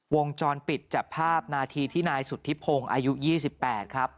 วงจรปิดจับภาพนาทีที่นายสุธิพงศ์อายุ๒๘ครับ